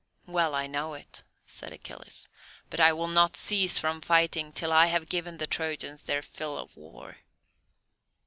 "Well I know it," said Achilles, "but I will not cease from fighting till I have given the Trojans their fill of war."